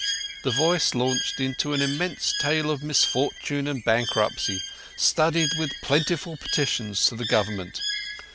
The voice launched into an immense tale of misfortune and bankruptcy, studded with plentiful petitions to the Government.